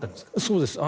そうです。